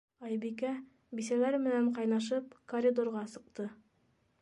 Айбикә, бисәләр менән ҡайнашып, коридорға сыҡты.